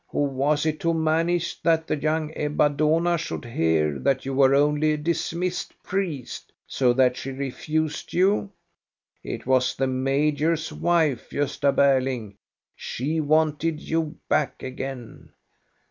Who was it who managed that the young Ebba Dohna should hear that you were only a dis missed priest, so that she refused you? It was the major's wife, Gosta Berling. She wanted you back again.